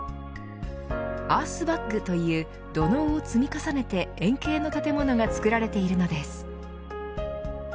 アースバッグという土のうを積み重ねて円形の建物が作られているのです。